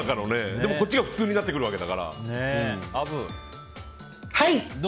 でもこっちが普通になってくるわけだから。